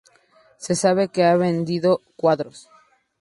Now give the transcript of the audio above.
Se sabe que ha vendido cuadros.